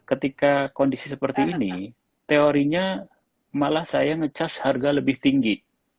ketika kondisi seperti ini teorinya malah saya nge charge harga lebih tinggi